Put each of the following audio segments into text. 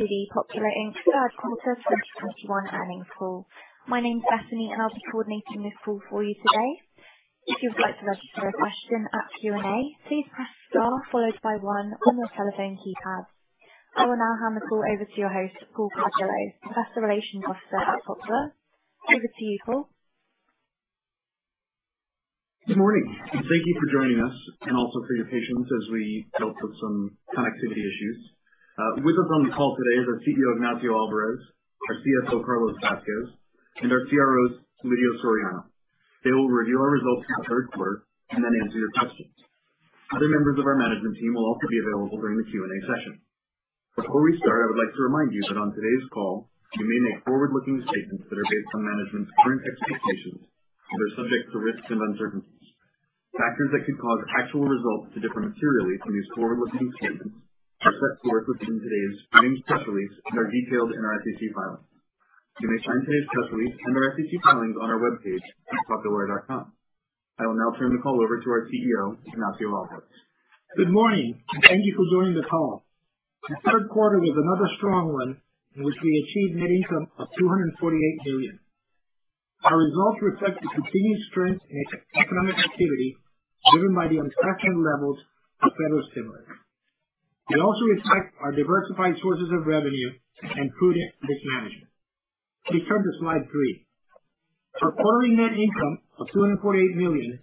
To the Popular, Inc. Third Quarter 2021 Earnings Call. My name's Bethany. I'll be coordinating this call for you today. If you would like to register a question at the Q&A, please press star followed by one on your telephone keypad. I will now hand the call over to your host, Paul J. Cardillo, Investor Relations Officer at Popular. Over to you, Paul. Good morning, and thank you for joining us, and also for your patience as we dealt with some connectivity issues. With us on the call today is our CEO, Ignacio Álvarez; our CFO, Carlos Vázquez; and our CRO, Lidio Soriano. They will review our results for the third quarter and then answer your questions. Other members of our management team will also be available during the Q&A session. Before we start, I would like to remind you that on today's call, we may make forward-looking statements that are based on management's current expectations and are subject to risks and uncertainties. Factors that could cause actual results to differ materially from these forward-looking statements are set forth in today's earnings press release and are detailed in our SEC filings. You may find today's press release and our SEC filings on our webpage at popular.com. I will now turn the call over to our CEO, Ignacio Alvarez. Good morning, and thank you for joining the call. The third quarter was another strong one in which we achieved net income of $248 million. Our results reflect the continued strength in economic activity driven by the unprecedented levels of federal stimulus. They also reflect our diversified sources of revenue and prudent risk management. Please turn to Slide 3. Our quarterly net income of $248 million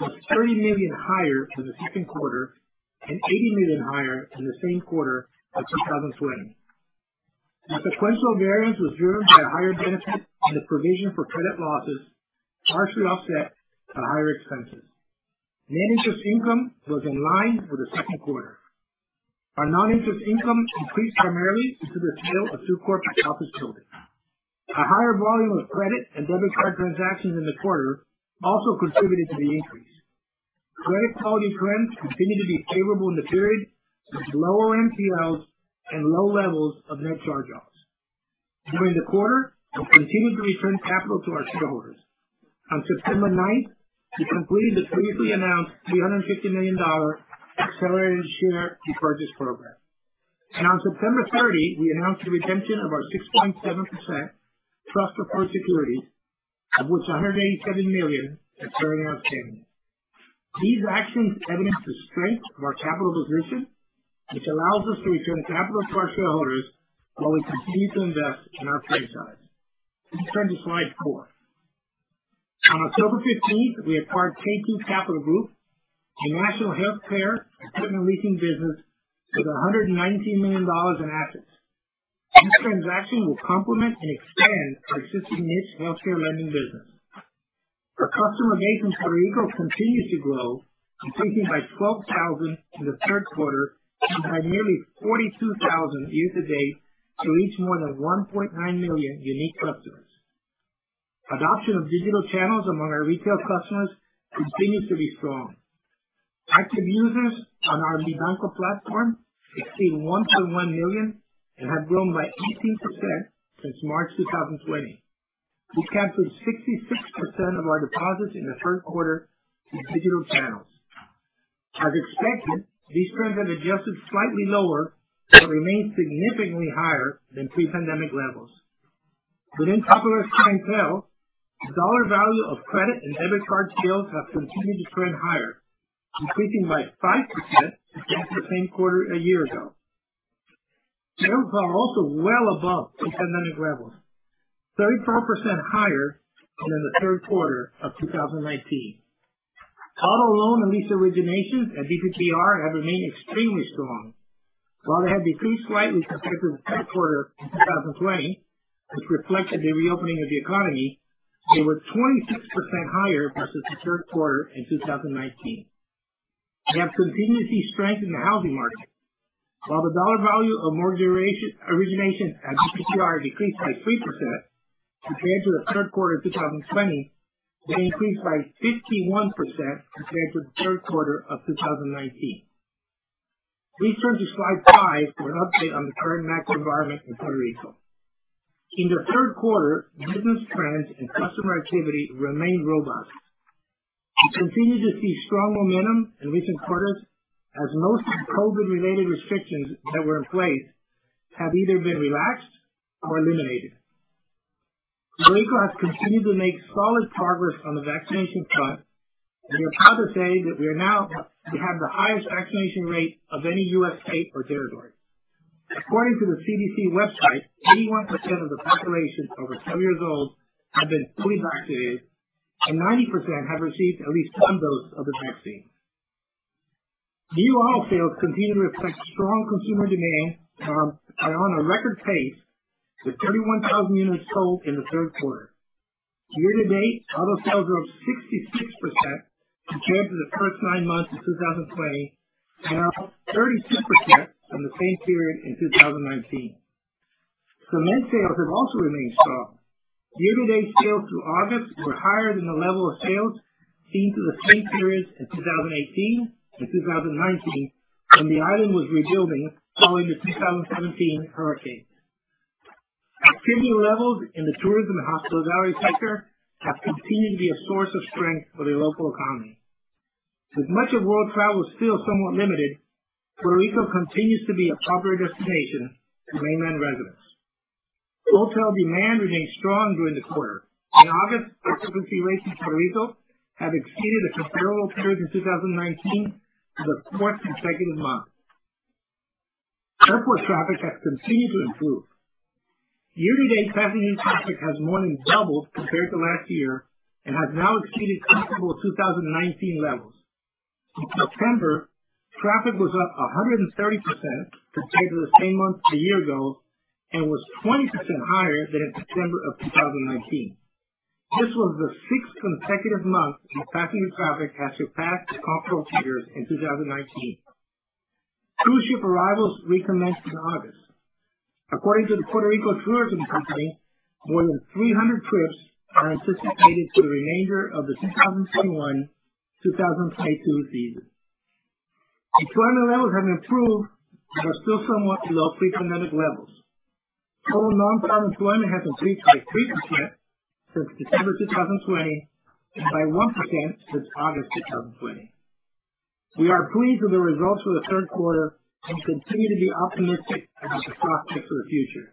was $30 million higher than the second quarter and $80 million higher than the same quarter of 2020. The sequential variance was driven by a higher benefit on the provision for credit losses, partially offset by higher expenses. Net interest income was in line with the second quarter. Our non-interest income increased primarily due to the sale of two corporate office buildings. A higher volume of credit and debit card transactions in the quarter also contributed to the increase. Credit quality trends continued to be favorable in the period with lower NPAs and low levels of net charge-offs. During the quarter, we continued to return capital to our shareholders. On September 9th, we completed the previously announced $350 million accelerated share repurchase program. On September 30, we announced the redemption of our 6.7% trust-preferred securities, of which $187 million is currently outstanding. These actions evidence the strength of our capital position, which allows us to return capital to our shareholders while we continue to invest in our franchise. Please turn to Slide 4. On October 15th, we acquired K2 Capital Group, a national healthcare equipment leasing business with $119 million in assets. This transaction will complement and expand our existing niche healthcare lending business. Our customer base in Puerto Rico continues to grow, increasing by 12,000 in the third quarter and by nearly 42,000 year-to-date to reach more than 1.9 million unique customers. Adoption of digital channels among our retail customers continues to be strong. Active users on our Mi Banco platform exceed 1.1 million and have grown by 18% since March 2020. We captured 66% of our deposits in the third quarter through digital channels. As expected, these trends have adjusted slightly lower but remain significantly higher than pre-pandemic levels. Within Popular's clientele, the dollar value of credit and debit card sales have continued to trend higher, increasing by 5% compared to the same quarter a year ago. Volumes are also well above pre-pandemic levels, 34% higher than in the third quarter of 2019. Auto loan and lease originations at BPPR have remained extremely strong. While they have decreased slightly compared to the third quarter in 2020, which reflected the reopening of the economy, they were 26% higher versus the third quarter in 2019. We have continued to see strength in the housing market. While the dollar value of mortgage originations at BPPR decreased by 3% compared to the third quarter of 2020, they increased by 51% compared to the third quarter of 2019. Please turn to Slide 5 for an update on the current macro environment in Puerto Rico. In the third quarter, business trends and customer activity remained robust. We continue to see strong momentum in recent quarters as most COVID-related restrictions that were in place have either been relaxed or eliminated. Puerto Rico has continued to make solid progress on the vaccination front, and we're proud to say that we have the highest vaccination rate of any U.S. state or territory. According to the CDC website, 81% of the population over seven years old have been fully vaccinated, and 90% have received at least 1 dose of the vaccine. New auto sales continue to reflect strong consumer demand and are on a record pace with 31,000 units sold in the third quarter. Year-to-date, auto sales are up 66% compared to the first nine months of 2020 and are up 32% from the same period in 2019. Cement sales have also remained strong. Year-to-date sales through August were higher than the level of sales seen through the same periods in 2018 and 2019 when the island was rebuilding following the 2017 hurricane. Activity levels in the tourism hospitality sector have continued to be a source of strength for the local economy. With much of world travel still somewhat limited, Puerto Rico continues to be a popular destination for mainland residents. Hotel demand remained strong during the quarter. In August, occupancy rates in Puerto Rico have exceeded the comparable period in 2019 for the fourth consecutive month. Airport traffic has continued to improve. Year-to-date passenger traffic has more than doubled compared to last year and has now exceeded comparable 2019 levels. In September, traffic was up 130% compared to the same month a year ago, and was 20% higher than in September of 2019. This was the sixth consecutive month that passenger traffic has surpassed comparable figures in 2019. Cruise ship arrivals recommenced in August. According to the Puerto Rico Tourism Company, more than 300 trips are anticipated for the remainder of the 2021-2022 season. Employment levels have improved but are still somewhat below pre-pandemic levels. Total nonfarm employment has increased by 3% since December 2020 and by 1% since August 2020. We are pleased with the results for the third quarter and continue to be optimistic about the prospects for the future.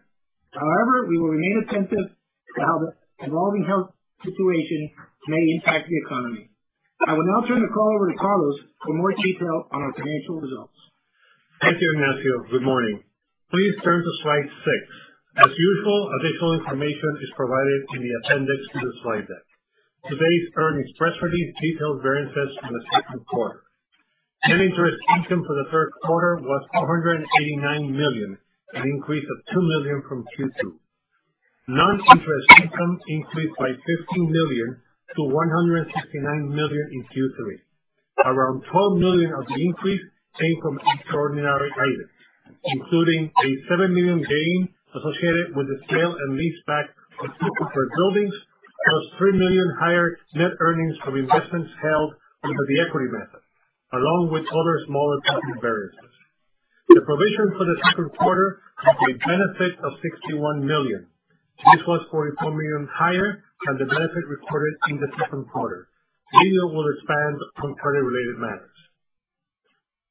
However, we will remain attentive to how the evolving health situation may impact the economy. I will now turn the call over to Carlos for more detail on our financial results. Thank you, Ignacio. Good morning. Please turn to slide 6. As usual, additional information is provided in the appendix to the slide deck. Today's earnings press release details variances from the second quarter. Net interest income for the third quarter was $489 million, an increase of $2 million from Q2. Non-interest income increased by $15 million to $169 million in Q3. Around $12 million of the increase came from extraordinary items, including a $7 million gain associated with the sale and leaseback of two corporate buildings, plus $3 million higher net earnings from investments held under the equity method, along with other smaller item variances. The provision for the second quarter had a benefit of $61 million. This was $44 million higher than the benefit recorded in the second quarter. Lidio will expand on credit-related matters.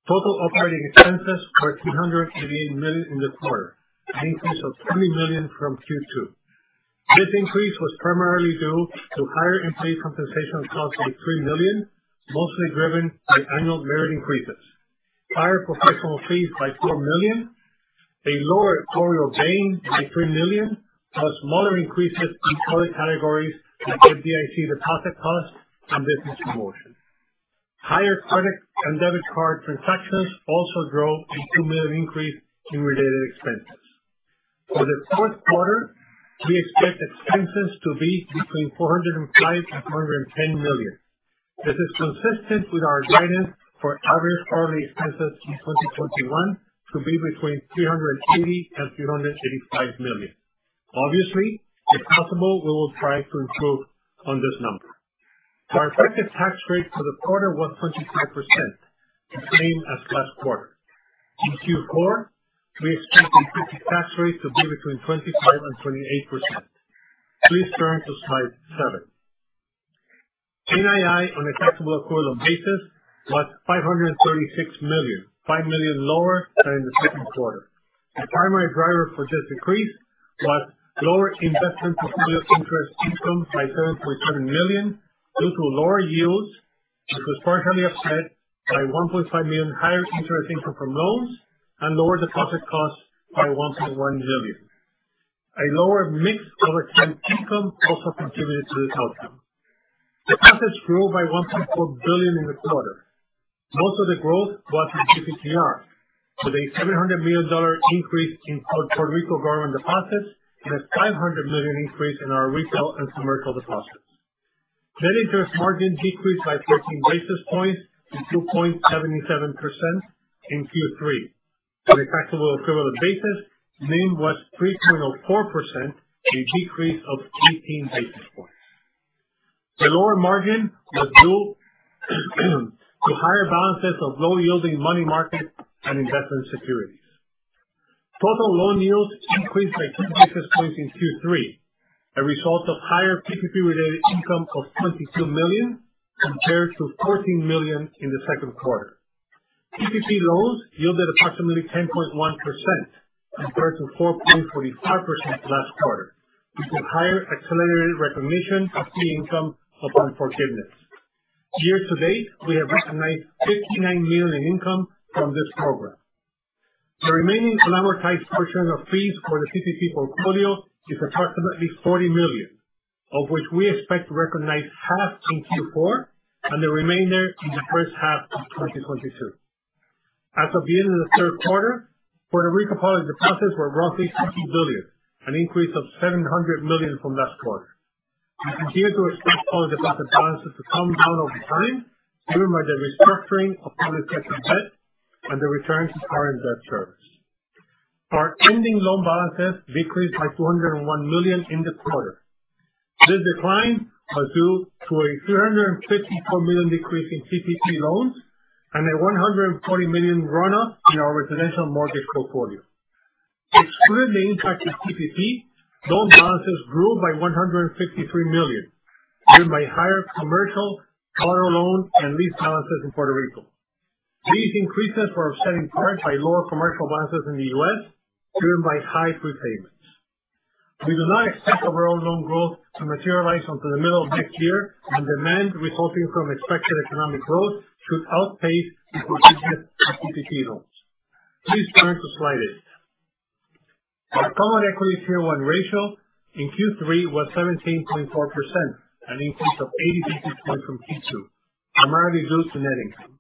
Total operating expenses were $288 million in the quarter, an increase of $20 million from Q2. This increase was primarily due to higher employee compensation costs of $3 million, mostly driven by annual merit increases, higher professional fees by $4 million, a lower actuarial gain by $3 million, plus smaller increases in other categories like FDIC deposit costs and business promotion. Higher credit and debit card transactions also drove a $2 million increase in related expenses. For the fourth quarter, we expect expenses to be between $405 million-$410 million. This is consistent with our guidance for average quarterly expenses in 2021 to be between $380 million-$385 million. Obviously, if possible, we will try to improve on this number. Our effective tax rate for the quarter was 25%, the same as last quarter. In Q4, we expect the effective tax rate to be between 25%-28%. Please turn to slide seven. NII on a taxable taxable equivalent basis was $536 million, $5 million lower than in the second quarter. The primary driver for this decrease was lower investment portfolio interest income by $7.7 million due to lower yields, which was partially offset by $1.5 million higher interest income from loans and lower deposit costs by $1.1 million. A lower mix of earned income also contributed to this outcome. The assets grew by $1.4 billion in the quarter. Most of the growth was in PPP loans, with a $700 million increase in Puerto Rico government deposits and a $500 million increase in our retail and commercial deposits. Net interest margin decreased by 13 basis points to 2.77% in Q3. On a taxable equivalent basis, NIM was 3.4%, a decrease of 18 basis points. The lower margin was due to higher balances of low-yielding money market and investment securities. Total loan yields increased by 2 basis points in Q3, a result of higher PPP-related income of $22 million compared to $14 million in the second quarter. PPP loans yielded approximately 10.1% compared to 4.45% last quarter due to higher accelerated recognition of the income of loan forgiveness. Year to date, we have recognized $59 million in income from this program. The remaining collateralized portion of fees for the PPP portfolio is approximately $40 million, of which we expect to recognize half in Q4 and the remainder in the first half of 2022. As of the end of the third quarter, Puerto Rico public deposits were roughly $15 billion, an increase of $700 million from last quarter. We continue to expect public deposit balances to come down over time due to the restructuring of public-sector debt and the return to current debt service. Our ending loan balances decreased by $201 million in the quarter. This decline was due to a $354 million decrease in PPP loans and a $140 million run-off in our residential mortgage portfolio. Excluding the impact of PPP, loan balances grew by $153 million, driven by higher commercial, collateral loans, and lease balances in Puerto Rico. These increases were offset in part by lower commercial balances in the U.S., driven by high prepayments. We do not expect overall loan growth to materialize until the middle of next year, and demand resulting from expected economic growth should outpace the repayment of PPP loans. Please turn to Slide 8. Our common equity Tier 1 ratio in Q3 was 17.4%, an increase of 80 basis points from Q2, primarily due to net income.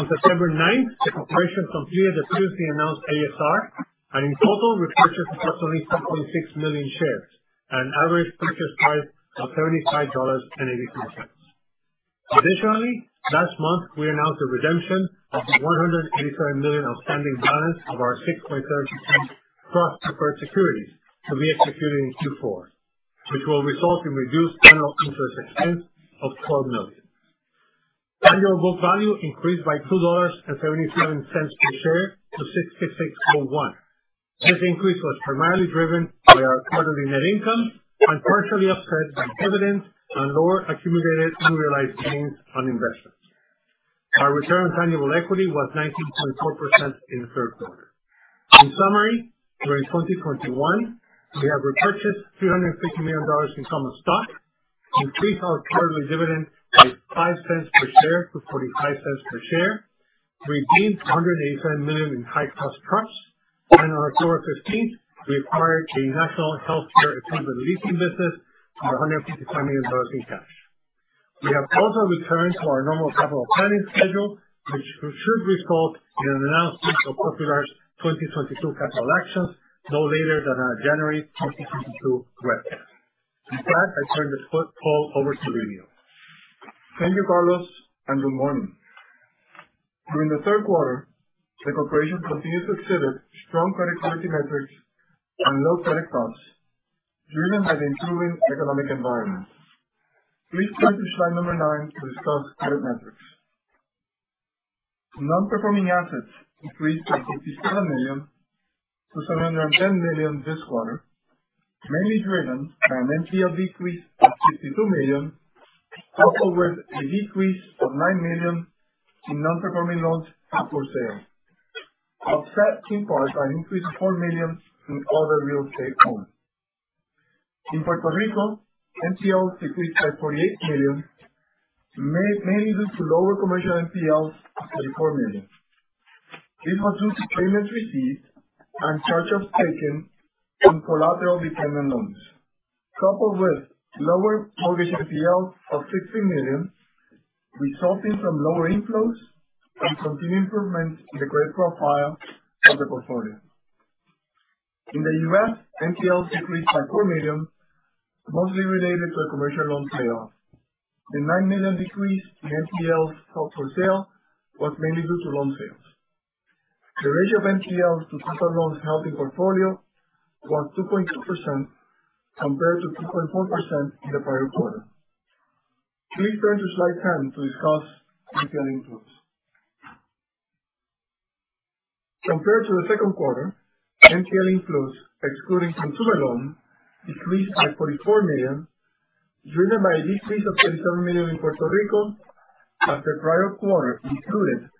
On September 9th, the corporation completed the previously announced ASR, and in total repurchased approximately 2.6 million shares at an average purchase price of $35.83. Additionally, last month, we announced the redemption of the $187 million outstanding balance of our 6.75% trust preferred securities to be executed in Q4, which will result in reduced annual interest expense of $12 million. Tangible book value increased by $2.77 per share to $66.01. This increase was primarily driven by our quarterly net income and partially offset by dividends and lower accumulated unrealized gains on investments. Our return on tangible equity was 19.4% in the third quarter. In summary, during 2021, we have repurchased $350 million in common stock, increased our quarterly dividend by $0.05 per share to $0.45 per share, redeemed $187 million in high-cost trusts, and on October 15th, we acquired a national healthcare equipment leasing business for $155 million in cash. We have also returned to our normal capital planning schedule, which should result in an announcement of Popular's 2022 capital actions no later than our January 2022 Webex. With that, I turn this call over to Lidio. Thank you, Carlos. Good morning. During the third quarter, the corporation continued to exhibit strong credit quality metrics and low credit costs driven by the improving economic environment. Please turn to slide number nine to discuss credit metrics. Non-Performing Assets increased by $57 million to $710 million this quarter, mainly driven by an NPL decrease of $52 million, coupled with a decrease of $9 million in non-performing loans held for sale, offsetting partial increase of $4 million in other real estate loans. In Puerto Rico, NPL decreased by $48 million, mainly due to lower commercial NPLs of $34 million. This was due to payments received and charge-offs taken on collateral dependent loans, coupled with lower mortgage NPL of $16 million resulting from lower inflows and continued improvement in the credit profile of the portfolio. In the U.S., NPLs decreased by $4 million, mostly related to a commercial loan payoff. The $9 million decrease in NPLs held for sale was mainly due to loan sales. The ratio of NPLs to total loans held in portfolio was 2.2% compared to 2.4% in the prior quarter. Please turn to Slide 10 to discuss NPL inflows. Compared to the second quarter, NPL inflows excluding consumer loans decreased by $44 million, driven by a decrease of $37 million in Puerto Rico as the prior quarter included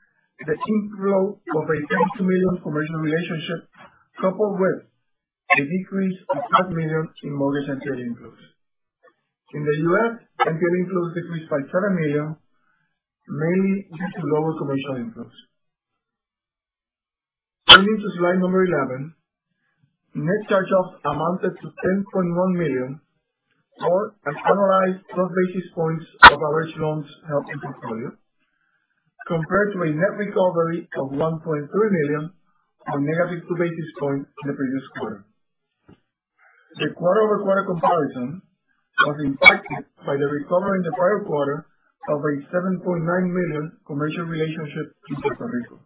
the inflow of a $32 million commercial relationship, coupled with a decrease of $5 million in mortgage NPL inflows. In the U.S., NPL inflows decreased by $7 million, mainly due to lower commercial inflows. Turning to slide number 11. Net charge-offs amounted to $10.1 million or an annualized 12 basis points of average loans held in portfolio compared to a net recovery of $1.3 million on negative 2 basis points in the previous quarter. The quarter-over-quarter comparison was impacted by the recovery in the prior quarter of a $7.9 million commercial relationship in Puerto Rico.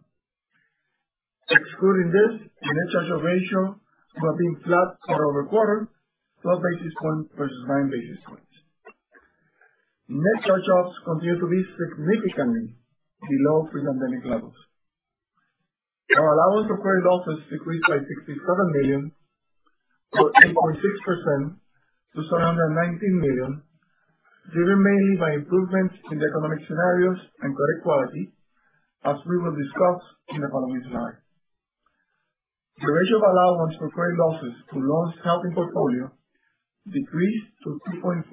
Excluding this, the net charge-off ratio would have been flat quarter-over-quarter, 12 basis points versus nine basis points. Net charge-offs continue to be significantly below pre-pandemic levels. Our allowance for credit losses decreased by $67 million or 8.6% to $719 million, driven mainly by improvements in the economic scenarios and credit quality, as we will discuss in the following slide. The ratio of allowance for credit losses to loans held in portfolio decreased to 2.49%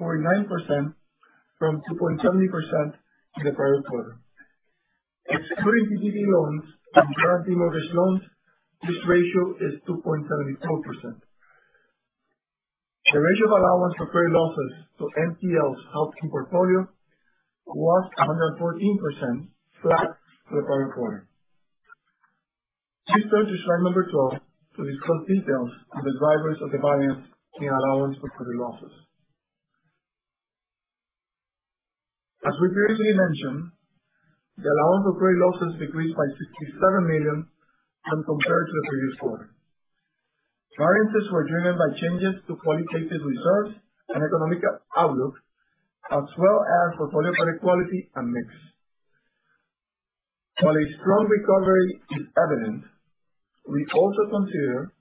from 2.70% in the prior quarter. Excluding PPP loans and guarantee mortgage loans, this ratio is 2.74%. The ratio of allowance for credit losses to NPLs held in portfolio was 114%, flat to the prior quarter. Please turn to Slide 12 to discuss details of the drivers of the balance in allowance for credit losses. As we previously mentioned, the allowance for credit losses decreased by $67 million when compared to the previous quarter. Variances were driven by changes to qualitative reserves and economic outlook, as well as portfolio credit quality and mix. While a strong recovery is evident, we also consider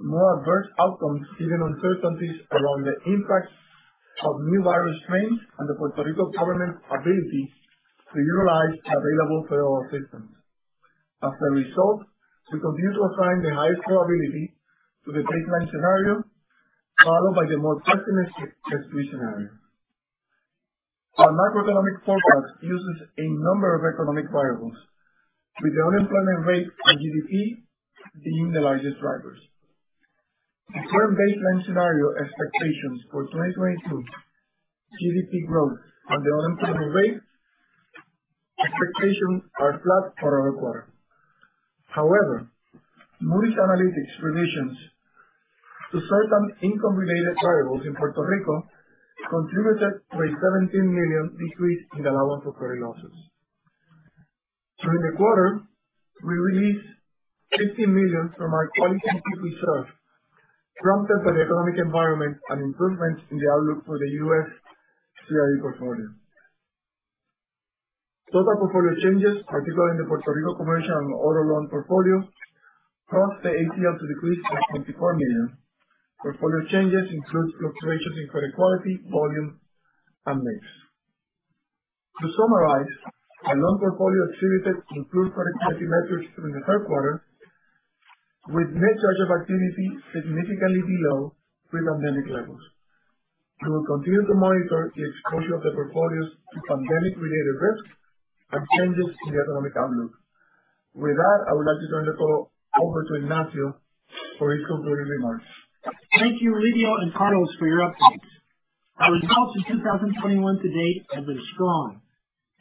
more adverse outcomes given uncertainties around the impact of new virus strains and the Puerto Rico government's ability to utilize available federal assistance. As a result, we continue to assign the highest probability to the baseline scenario, followed by the more pessimistic case scenario. Our macroeconomic forecast uses a number of economic variables, with the unemployment rate and GDP being the largest drivers. The current baseline scenario expectations for 2022 GDP growth and the unemployment rate, expectations are flat quarter-over-quarter. However, Moody's Analytics revisions to certain income-related variables in Puerto Rico contributed to a $17 million decrease in allowance for credit losses. During the quarter, we released $15 million from our qualitative reserves prompted by the economic environment and improvements in the outlook for the U.S. CRE portfolio. Total portfolio changes, particularly in the Puerto Rico commercial and other loan portfolio, caused the ACL to decrease by $24 million. Portfolio changes include fluctuations in credit quality, volume, and mix. To summarize, our loan portfolio exhibited improved credit quality metrics during the third quarter, with net charge-off activity significantly below pre-pandemic levels. We will continue to monitor the exposure of the portfolios to pandemic-related risks and changes in the economic outlook. With that, I would like to turn the call over to Ignacio for his concluding remarks. Thank you, Lidio and Carlos, for your updates. Our results for 2021 to date have been strong,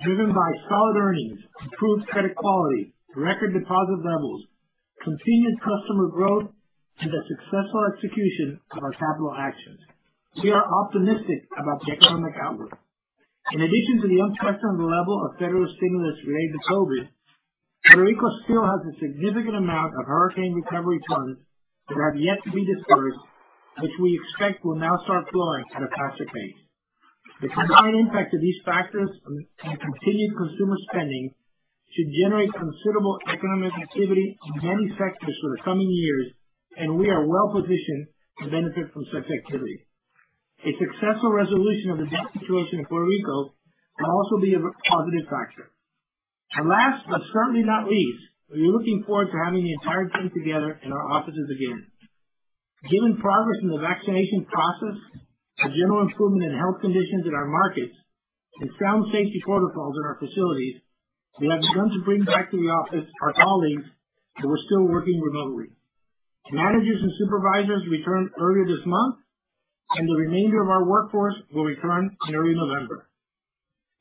driven by solid earnings, improved credit quality, record deposit levels, continued customer growth, and the successful execution of our capital actions. We are optimistic about the economic outlook. In addition to the uncertain level of federal stimulus related to COVID, Puerto Rico still has a significant amount of hurricane recovery funds that have yet to be disbursed, which we expect will now start flowing at a faster pace. The combined impact of these factors and continued consumer spending should generate considerable economic activity in many sectors for the coming years, and we are well-positioned to benefit from such activity. A successful resolution of the debt situation in Puerto Rico can also be a positive factor. Last, but certainly not least, we're looking forward to having the entire team together in our offices again. Given progress in the vaccination process, the general improvement in health conditions in our markets, and sound safety protocols in our facilities, we have begun to bring back to the office our colleagues who are still working remotely. Managers and supervisors returned earlier this month, and the remainder of our workforce will return in early November.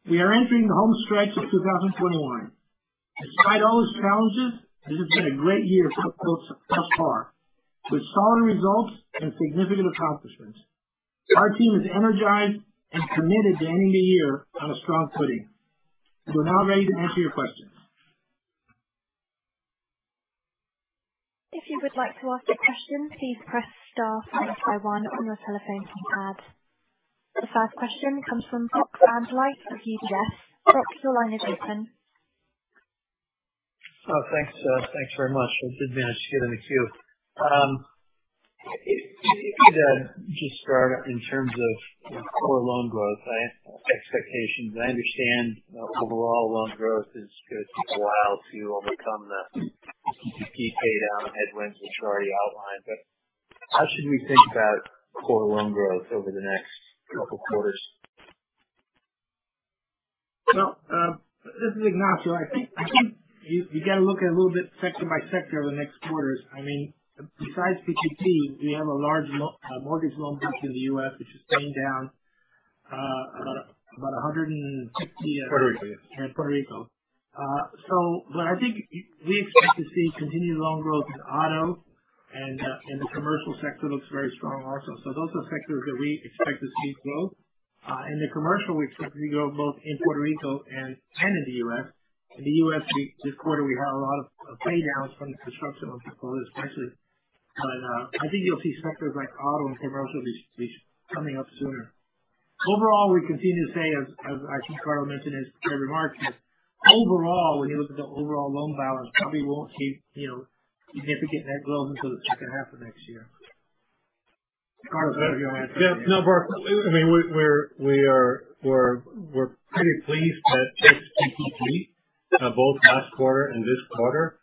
We are entering the home stretch of 2021. Despite all its challenges, this has been a great year thus far, with solid results and significant accomplishments. Our team is energized and committed to ending the year on a strong footing. We're now ready to answer your questions. The first question comes from Brett Rabatin of UBS. Brett, your line is open. Oh, thanks. Thanks very much. I did manage to get in the queue. If you'd just start in terms of core loan growth expectations. I understand overall loan growth is going to take a while to overcome the PPP paydown headwinds, which you already outlined. How should we think about core loan growth over the next couple quarters? Well, this is Ignacio. I think you got to look at it a little bit sector by sector over the next quarters. Besides PPP, we have a large mortgage loan book in the U.S. which is paying down about a 160- Puerto Rico, yes. Puerto Rico. I think we expect to see continued loan growth in auto, and the commercial sector looks very strong also. Those are sectors that we expect to see growth. In the commercial, we expect to see growth both in Puerto Rico and in the U.S. In the U.S. this quarter, we had a lot of paydowns from the construction loan portfolio, especially. I think you'll see sectors like auto and commercial be coming up sooner. Overall, we continue to say, as I think Carlos mentioned in his prepared remarks, that overall, when you look at the overall loan balance, probably won't see significant net growth until the second half of next year. Carlos, what are your thoughts on that? Yeah. No, Brett, we're pretty pleased that post PPP both last quarter and this quarter,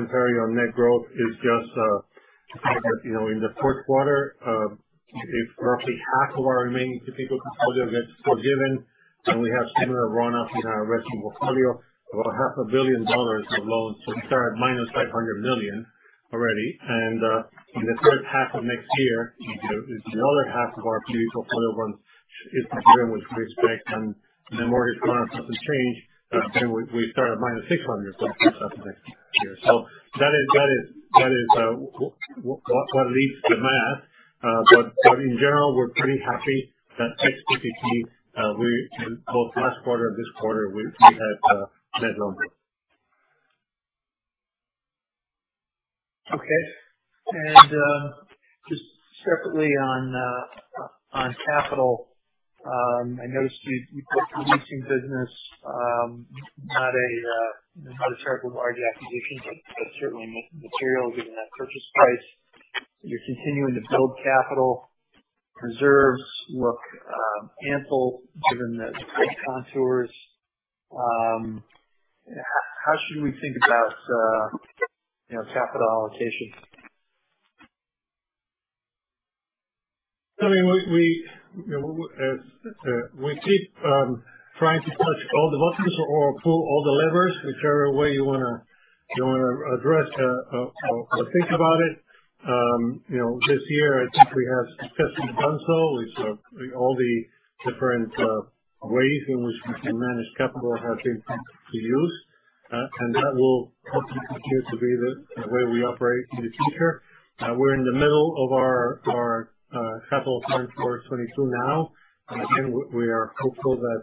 our loans grew. Our commentary on net growth is just to point out that in the fourth quarter, roughly half of our remaining PPP portfolio gets forgiven, and we have similar runoff in our retail portfolio, about half a billion dollars of loans, we start minus $500 million. Already. In the third half of next year, there's another half of our portfolio that is maturing, which we expect. The mortgage markets have to change. We start at -600 by the first half of next year. That is what leads to the math. In general, we're pretty happy that 6 to 15, both last quarter and this quarter, we had net loans. Okay. Just separately on capital. I noticed you put the leasing business, not a terribly large acquisition, but certainly material given that purchase price. You're continuing to build capital. Reserves look ample given the risk contours. How should we think about capital allocations? We keep trying to touch all the buttons or pull all the levers, whichever way you want to address or think about it. This year, I think we have successfully done so with all the different ways in which we can manage capital have been put to use. That will hopefully continue to be the way we operate in the future. We're in the middle of our capital plan for 2022 now. Again, we are hopeful that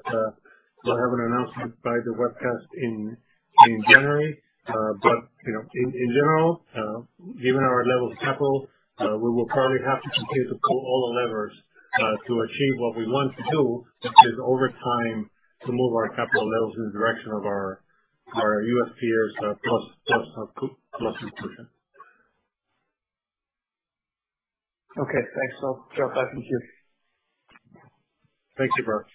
we'll have an announcement by the webcast in January. In general, given our level of capital, we will probably have to continue to pull all the levers to achieve what we want to do, which is over time to move our capital levels in the direction of our U.S. peers plus 1%. Okay, thanks. I'll drop back in queue. Thank you, Brett.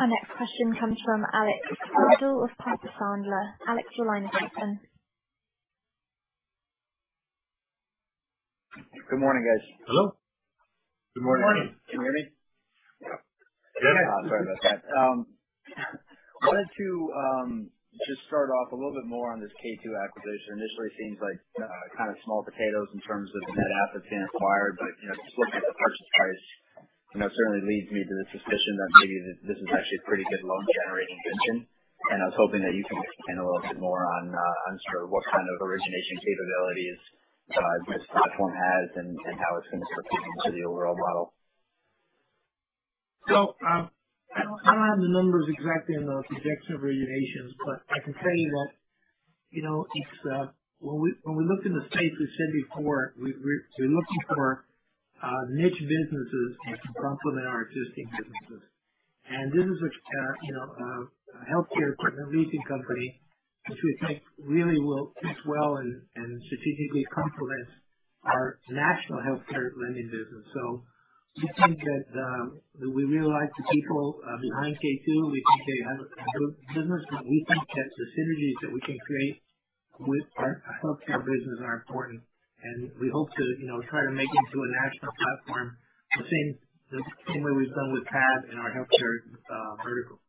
Our next question comes from Alex Twerdahl of Piper Sandler. Alex, your line is open. Good morning, guys. Hello. Good morning. Can you hear me? Yeah. Sorry about that. Wanted to just start off a little bit more on this K2 acquisition. Initially, seems like kind of small potatoes in terms of net assets being acquired. Just looking at the purchase price, certainly leads me to the suspicion that maybe this is actually a pretty good loan generation engine. I was hoping that you can expand a little bit more on sort of what kind of origination capabilities this platform has and how it's going to fit into the overall model. I don't have the numbers exactly on those projections of originations, but I can tell you that when we looked in the space we said before, we're looking for niche businesses that can complement our existing businesses. This is a healthcare equipment leasing company which we think really will fit well and strategically complement our national healthcare lending business. We think that we really like the people behind K2. We think they have a good business, but we think that the synergies that we can create with our healthcare business are important, and we hope to try to make into a national platform the same way we've done with CAD and our healthcare vertical.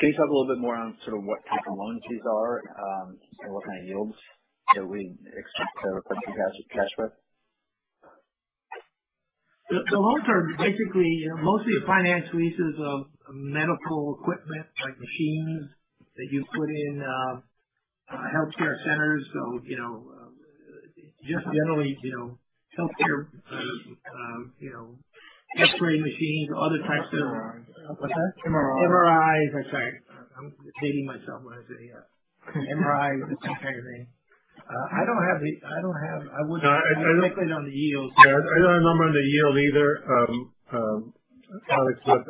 Can you talk a little bit more on sort of what type of loans these are and what kind of yields that we expect to recognize with cash flow? The loans are basically mostly finance leases of medical equipment like machines that you put in healthcare centers. Just generally healthcare X-ray machines. MRIs. What's that? MRIs. MRIs. I'm sorry. I'm dating myself when I say, MRIs, that kind of thing. I wouldn't comment on the yields. I don't have a number on the yield either, Alex, but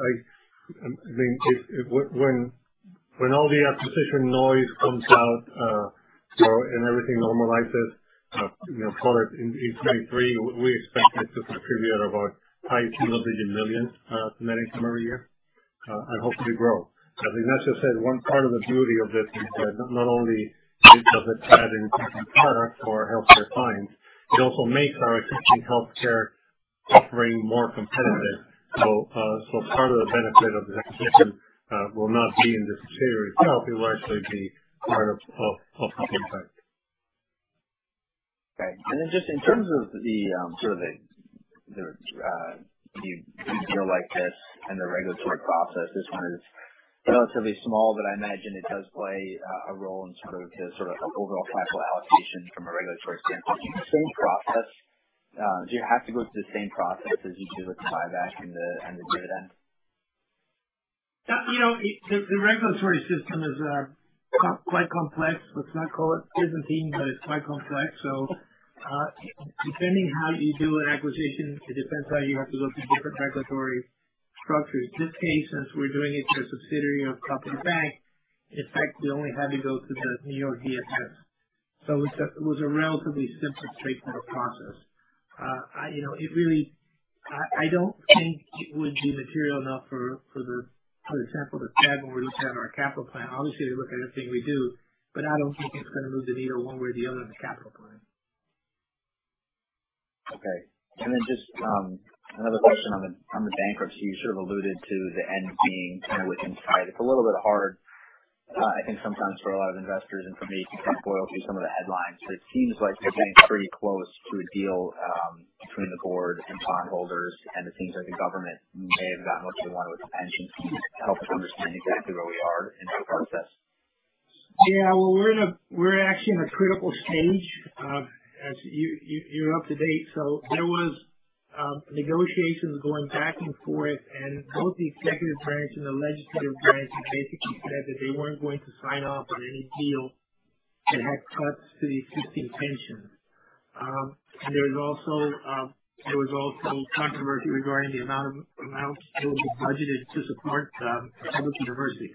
when all the acquisition noise comes out, and everything normalizes in Q3, we expect it to contribute about [$15 million to $20 million] net income every year, and hopefully grow. As Ignacio said, one part of the beauty of this is that not only does it add an important product for our healthcare clients, it also makes our existing healthcare offering more competitive. Part of the benefit of the acquisition will not be in this period. It will hopefully largely be part of future impact. Okay. Just in terms of the sort of a deal like this and the regulatory process, this one is relatively small, but I imagine it does play a role in sort of the overall capital allocation from a regulatory standpoint. Is it the same process? Do you have to go through the same process as you do with the buyback and the dividend? The regulatory system is quite complex. Let's not call it Byzantine, but it's quite complex. Depending how you do an acquisition, it depends how you have to go through different regulatory structures. This case, since we're doing it through a subsidiary of Popular Bank, in fact, we only had to go through the New York DFS. It was a relatively simple, straightforward process. I don't think it would be material enough for the Fed when we present our capital plan. Obviously, they look at everything we do, but I don't think it's going to move the needle one way or the other on the capital plan. Just another question on the bankruptcy. You sort of alluded to the end being kind of within sight. It's a little bit hard, I think, sometimes for a lot of investors, and for me to kind of boil through some of the headlines, but it seems like you're getting pretty close to a deal between the Board and bondholders, and it seems like the government may have gotten what they want with the pension. Can you help us understand exactly where we are in that process? Well, we're actually in a critical stage. You're up to date. There were negotiations going back and forth, and both the executive branch and the legislative branch had basically said that they weren't going to sign off on any deal that had cuts to the existing pension. There was also controversy regarding the amount that was budgeted to support the public university,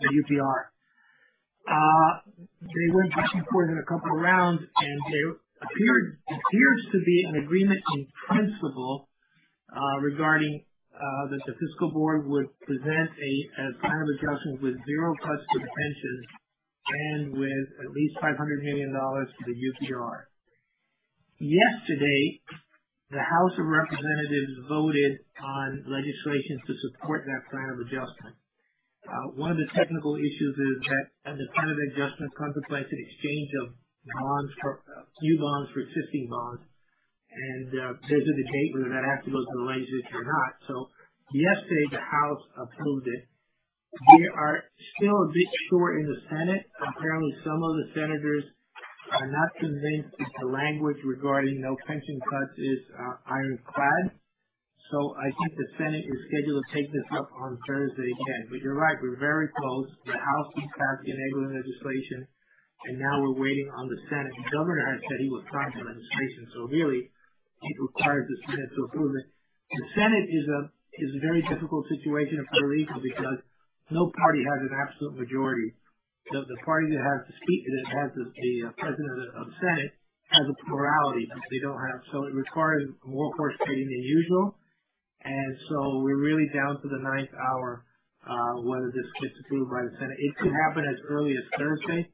the UPR. They went back and forth in a couple of rounds. There appears to be an agreement in principle that the fiscal board would present a plan of adjustment with zero cuts to the pensions and with at least $500 million to the UPR. Yesterday, the House of Representatives voted on legislation to support that plan of adjustment. One of the technical issues is that the plan of adjustment contemplates an exchange of new bonds for existing bonds, and there's an debate whether that has to go through the legislature or not. Yesterday, the House approved it. They are still a bit short in the Senate. Apparently, some of the senators are not convinced that the language regarding no pension cuts is ironclad. I think the Senate is scheduled to take this up on Thursday again. You're right, we're very close. The House has passed the enabling legislation, and now we're waiting on the Senate. The Governor has said he would sign the legislation, so really it requires the Senate's approval. The Senate is a very difficult situation in Puerto Rico because no party has an absolute majority. The party that has the President of the Senate has a plurality. It requires more horse trading than usual, and so we're really down to the ninth hour whether this gets approved by the Senate. It could happen as early as Thursday.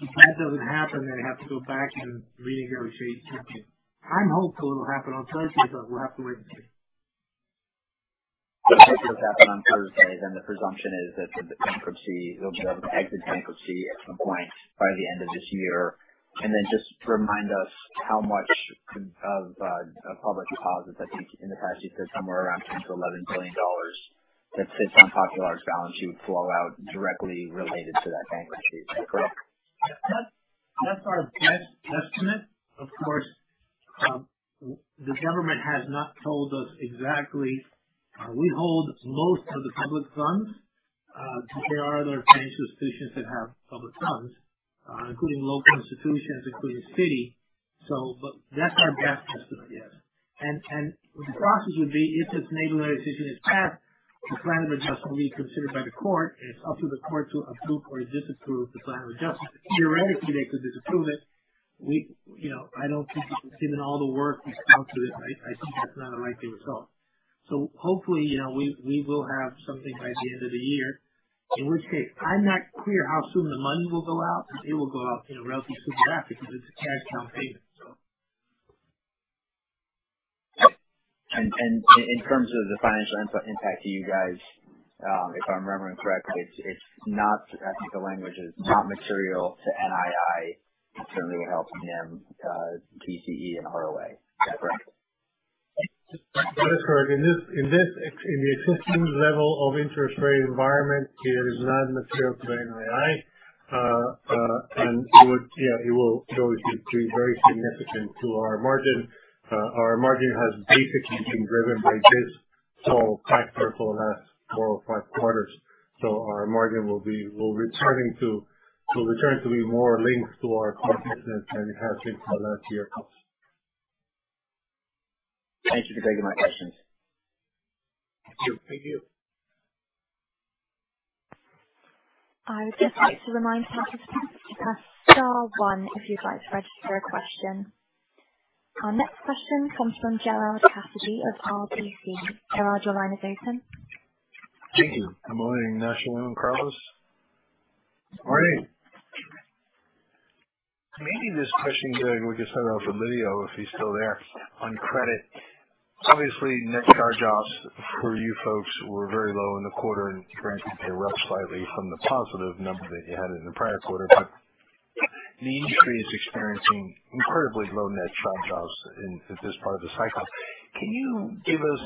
If that doesn't happen, they'd have to go back and renegotiate terms again. I'm hopeful it'll happen on Thursday, but we'll have to wait and see. If it does happen on Thursday, then the presumption is that they'll be able to exit bankruptcy at some point by the end of this year. Just remind us how much of public deposits, I think in the past you said somewhere around $10 billion-$11 billion that sits on Popular's balance sheet would flow out directly related to that bankruptcy; is that correct? That's our best estimate. Of course, the government has not told us exactly. We hold most of the public funds. There are other financial institutions that have public funds, including local institutions, including the city. That's our best estimate, yes. The process would be, if this enabling legislation is passed, the plan of adjustment will be considered by the court, and it's up to the court to approve or disapprove the plan of adjustment. Theoretically, they could disapprove it. I don't think given all the work that's gone to this, I think that's not a likely result. Hopefully, we will have something by the end of the year, in which case, I'm not clear how soon the money will go out, because it will go out relatively soon after because it's a cash payment. In terms of the financial impact to you guys, if I'm remembering correctly, I think the language is not material to NII, certainly it helps NIM, TCE, and ROA. Is that correct? That is correct. In the existing level of interest rate environment, it is not material to NII. It will show very significant to our margin. Our margin has basically been driven by this for the last four or five quarters. Our margin will return to be more linked to our cost business than it has been for the last year or so. Thank you for taking my questions. Thank you. Thank you. I would just like to remind participants to press star one if you'd like to register a question. Our next question comes from Gerard Cassidy of RBC. Gerard, your line is open. Thank you. Good morning, Ignacio and Carlos. Morning. Maybe this question, we could send it out for Lidio, if he's still there, on credit. Obviously, net charge-offs for you folks were very low in the quarter, and granted, they're up slightly from the positive number that you had in the prior quarter. The industry is experiencing incredibly low net charge-offs in this part of the cycle. Can you give us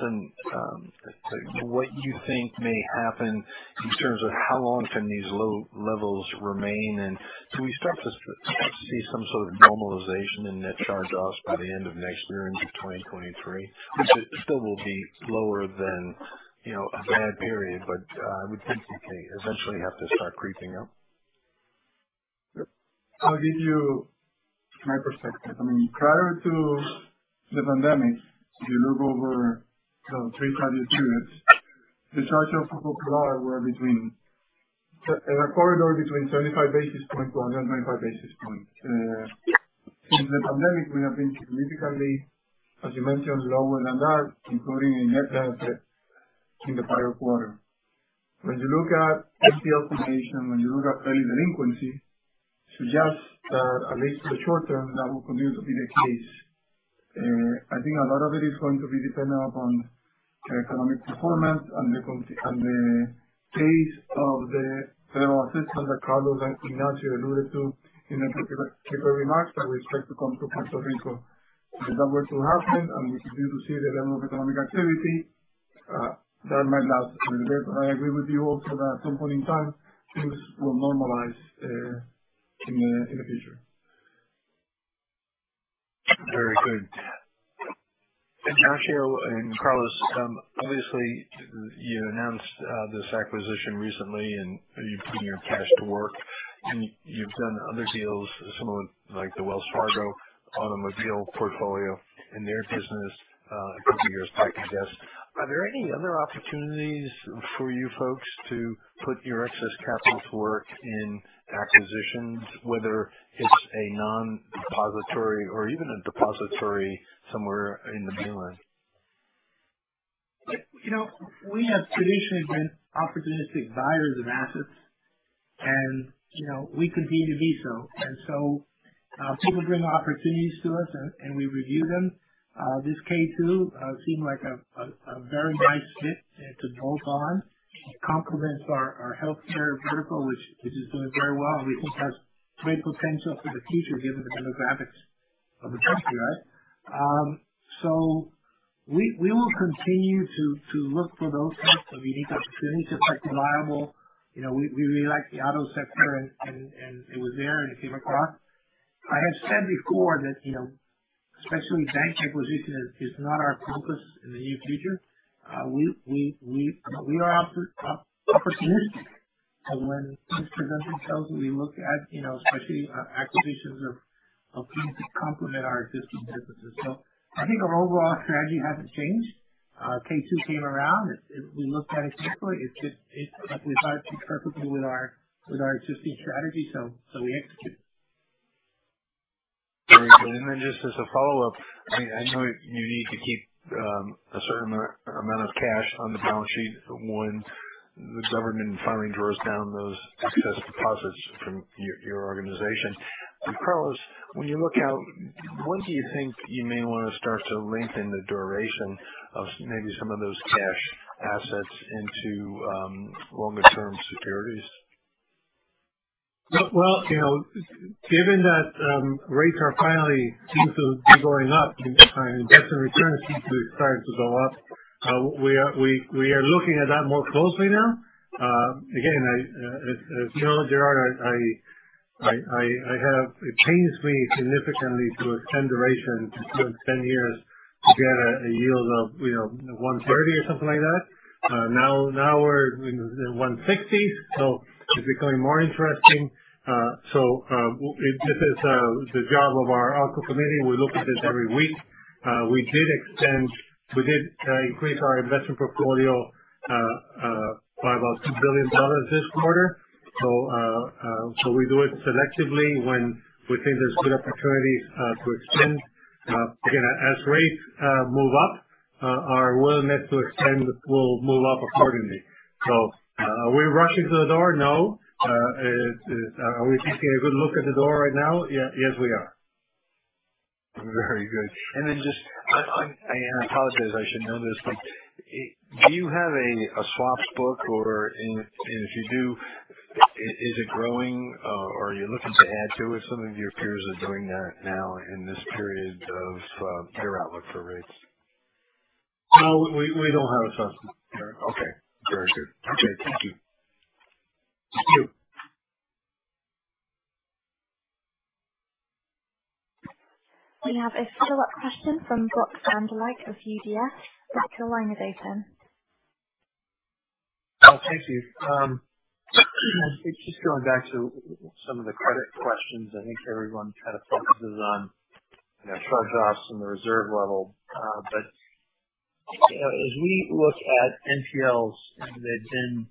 what you think may happen in terms of how long can these low levels remain, and do we start to see some sort of normalization in net charge-offs by the end of next year into 2023, which still will be lower than a bad period, but I would think they eventually have to start creeping up. I'll give you my perspective. Prior to the pandemic, if you look over the three prior periods, the charge-offs of Popular were in a corridor between 35 basis points - 125 basis points. Since the pandemic, we have been significantly, as you mentioned, lower than that, including in the prior quarter. When you look at NPL formation, when you look at early delinquency, suggests that at least for the short term, that will continue to be the case. I think a lot of it is going to be dependent upon economic performance and the pace of the federal assistance that Carlos and Ignacio alluded to in their prepared remarks that we expect to come to Puerto Rico. If that were to happen, and we continue to see the level of economic activity, that might last a little bit. I agree with you also that at some point in time, things will normalize in the future. Very good. Ignacio and Carlos, obviously you announced this acquisition recently, and you're putting your cash to work, and you've done other deals, some of like the Wells Fargo automobile portfolio and their business a couple of years back, I guess. Are there any other opportunities for you folks to put your excess capital to work in acquisitions, whether it's a non-depository or even a depository somewhere in the mainland? We have traditionally been opportunistic buyers of assets and we continue to be so. People bring opportunities to us, and we review them. This K2 seemed like a very nice fit to bolt on. It complements our healthcare vertical, which is doing very well, and we think has great potential for the future given the demographics of the country. We will continue to look for those types of unique opportunities that are viable. We really like the auto sector, and it was there, and it came across. I have said before that especially bank acquisition is not our focus in the near future. We are opportunistic when things present themselves. We look at especially acquisitions of things that complement our existing businesses. I think our overall strategy hasn't changed. K2 came around. We looked at it carefully. It fits perfectly with our existing strategy, so we executed. Very good. Just as a follow-up, I know you need to keep a certain amount of cash on the balance sheet when the government finally draws down those excess deposits from your organization. Carlos, when you look out, when do you think you may want to start to lengthen the duration of maybe some of those cash assets into longer-term securities? Well, given that rates are finally seem to be going up, investment returns seem to be starting to go up. We are looking at that more closely now. Again, as you know, Gerard, it pains me significantly to extend duration to 10 years to get a yield of 1.30 or something like that. Now we're in the 1.60, it's becoming more interesting. This is the job of our ALCO committee. We look at this every week. We did increase our investment portfolio by about $2 billion this quarter. We do it selectively when we think there's good opportunities to extend. Again, as rates move up, our willingness to extend will move up accordingly. Are we rushing to the door? No. Are we taking a good look at the door right now? Yes, we are. Very good. I apologize, I should know this, do you have a swaps book, or if you do, is it growing or are you looking to add to it? Some of your peers are doing that now in this period of your outlook for rates. No, we don't have a swaps book. Okay. Very good. Okay. Thank you. Thank you. We have a follow-up question from Brett Rabatin of UBS. Your line is open. Thank you. Just going back to some of the credit questions. I think everyone kind of focuses on charge-offs and the reserve level. As we look at NPLs, they've been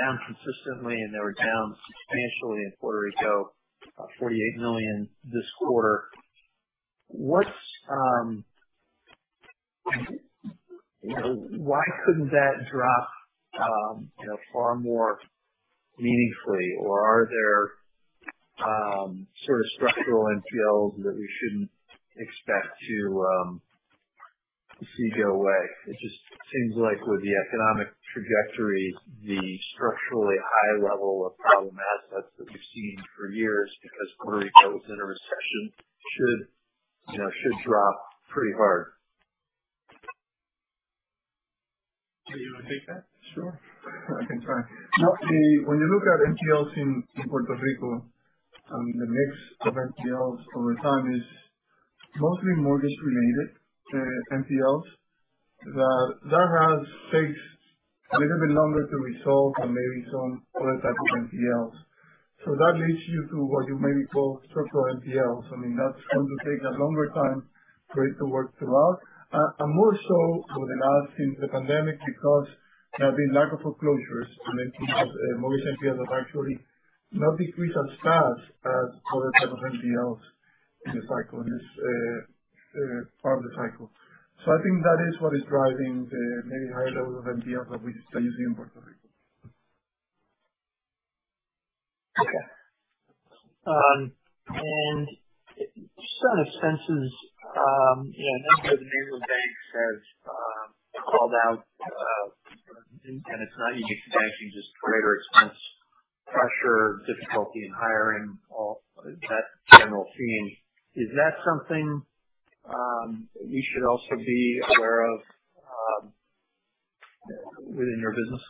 down consistently, and they were down substantially in Puerto Rico, $48 million this quarter. Why couldn't that drop far more meaningfully? Are there sort of structural NPLs that we shouldn't expect to see go away? It just seems like with the economic trajectory, the structurally high level of problem assets that we've seen for years because Puerto Rico was in a recession should drop pretty hard. Do you want to take that? Sure, I can try. When you look at NPLs in Puerto Rico, the mix of NPLs over time is mostly mortgage-related NPLs. That has takes a little bit longer to resolve than maybe some other type of NPLs. That leads you to what you maybe call structural NPLs. That's going to take a longer time for it to work throughout. More so over the last since the pandemic because there have been lack of foreclosures, and then mortgage NPLs have actually not decreased as fast as other type of NPLs. In the cycle, in this part of the cycle. I think that is what is driving the maybe higher level of NPLs that we display] using in Puerto Rico. Okay. Just on expenses, a number of the mainland banks have called out, it's not a unique bank, just greater expense pressure, difficulty in hiring, all that general theme. Is that something you should also be aware of within your business?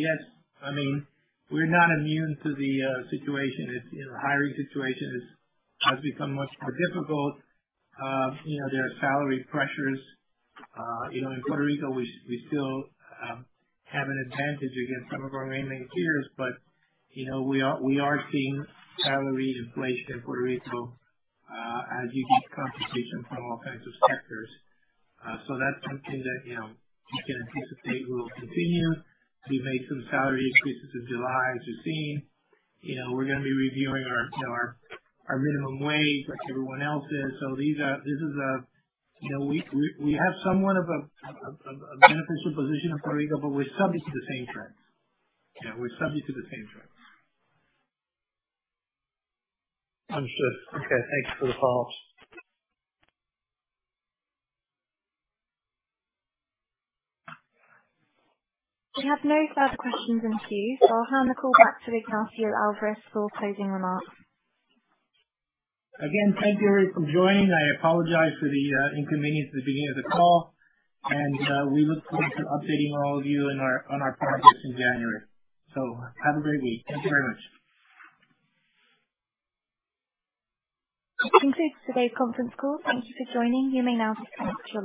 Yes. We're not immune to the situation. The hiring situation has become much more difficult. There are salary pressures. In Puerto Rico, we still have an advantage against some of our mainland peers, but we are seeing salary inflation in Puerto Rico as you get competition from all kinds of sectors. That's something that we can anticipate will continue. We made some salary increases in July, as you've seen. We're going to be reviewing our minimum wage like everyone else is. We have somewhat of a beneficial position in Puerto Rico, but we're subject to the same trends. Understood. Okay. Thanks for the call. We have no further questions in queue, so I'll hand the call back to Ignacio Alvarez for closing remarks. Thank you, everybody, for joining. I apologize for the inconvenience at the beginning of the call, and we look forward to updating all of you on our progress in January. Have a great week. Thank you very much. This concludes today's conference call. Thank you for joining. You may now disconnect your line.